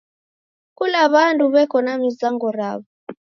Kula w'andu w'eko na mizango raw'o.